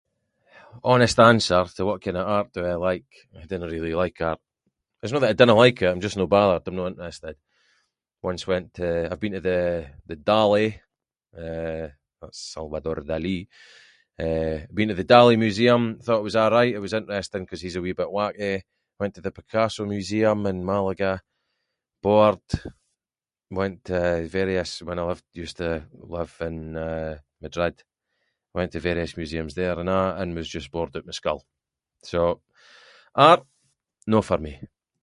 Honest answer to what kind of art do I like, I dinnae really like art. It’s no that I dinnae like it I’m just no bothered, I’m no interested. Once went to- I’ve been to the- the Dalí, eh, that’s Salvador Dalí, eh, been to the Dalí museum, thought it was a’right, it was interesting ‘cause he’s a wee bit whacky, went to the Picasso Museum in Malaga, bored. Went to various- when I lived- used to live in, eh, Madrid- went to various museums there and a’, and was just bored oot my skull. So, art, no for me.